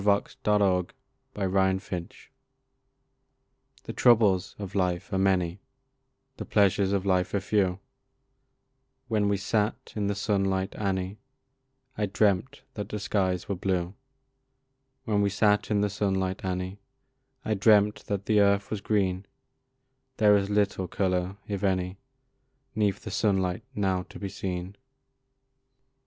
Wormwood and Nightshade The troubles of life are many, The pleasures of life are few; When we sat in the sunlight, Annie, I dreamt that the skies were blue When we sat in the sunlight, Annie, I dreamt that the earth was green; There is little colour, if any, 'Neath the sunlight now to be seen.